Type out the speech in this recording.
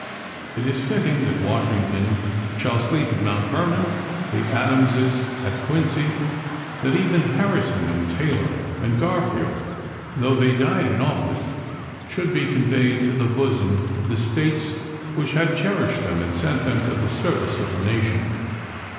It is fitting that Washington shall sleep at Mount Vernon, the Adamses at Quincy, that even Harri son and Taylor and Garfield, though they died in office, should be conveyed to the bosom of the States which had cherished them and sent them to the service of the nation.